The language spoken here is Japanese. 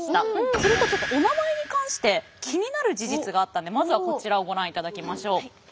するとちょっとお名前に関して気になる事実があったのでまずはこちらをご覧いただきましょう！